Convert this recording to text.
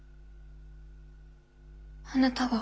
あなたは。